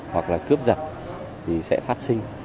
hoặc là cướp giật thì sẽ phát sinh